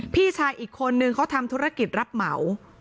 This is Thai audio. พี่ชายอีกคนนึงเขาทำธุรกิจรับเหมา